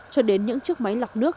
cho đến những chiếc máy lọc nước